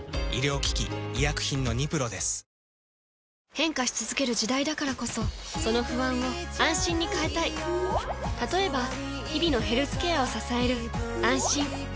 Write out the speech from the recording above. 変化し続ける時代だからこそその不安を「あんしん」に変えたい例えば日々のヘルスケアを支える「あんしん」